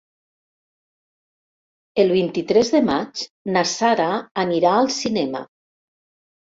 El vint-i-tres de maig na Sara anirà al cinema.